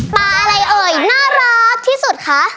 อะไรเอ่ยน่ารักที่สุดคะ